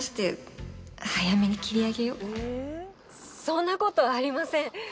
そんなことありません